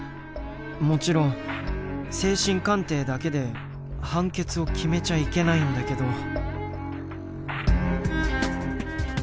もちろん精神鑑定だけで判決を決めちゃいけないんだけど。